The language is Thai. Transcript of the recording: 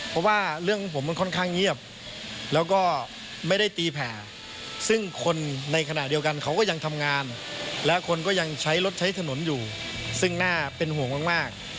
เพราะว่าเรื่องของผมมันค่อนข้างเงียบแล้วก็ไม่ได้ตีแผ่ซึ่งคนในขณะเดียวกันเขาก็ยังทำงานและคนก็ยังใช้รถใช้ถนนอยู่ซึ่งน่าเป็นห่วงมาก